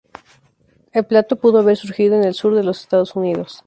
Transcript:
El plato pudo haber surgido en el sur de los Estados Unidos.